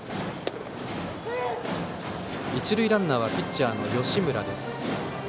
一塁ランナーはピッチャーの吉村です。